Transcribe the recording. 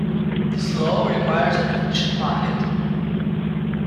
This law requires an efficient market.